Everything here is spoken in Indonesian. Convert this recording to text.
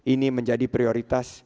ini menjadi prioritas